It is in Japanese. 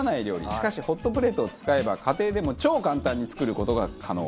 しかしホットプレートを使えば家庭でも超簡単に作る事が可能。